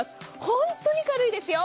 本当に軽いですよ。